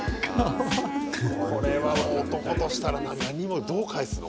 これはもう男としたら何もどう返すの？